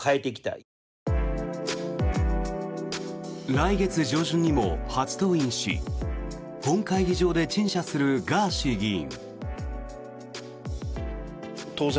来月上旬にも初登院し本会議場で陳謝するガーシー議員。